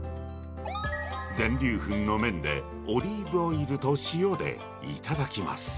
全粒粉の麺でオリーブオイルと塩でいただきます。